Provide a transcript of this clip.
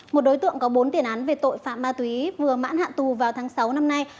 một đối tượng có bốn tiền án về tội phạm ma túy vừa mãn hạn tù vào tháng sáu năm nay